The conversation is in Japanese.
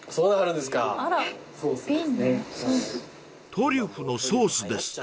［トリュフのソースですか？］